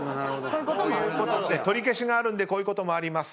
とりけしがあるんでこういうこともあります。